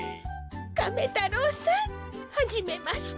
カメ太郎さんはじめまして。